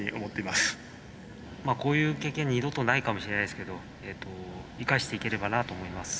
まあこういう経験二度とないかもしれないですけど生かしていければなと思います。